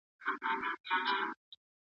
ټولنیز ارزښتونه د هرې ټولنې بنسټ جوړوي.